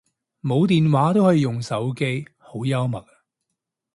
冇電話都可以用手機，好幽默